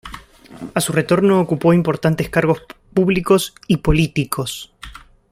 A su retorno, ocupó importantes cargos públicos y políticos.